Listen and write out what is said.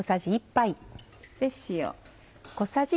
塩。